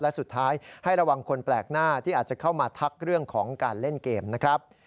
และสุดท้ายให้ระวังคนแปลกหน้าที่อาจจะเข้ามาทักเรื่องของการเล่นเกมนะครับ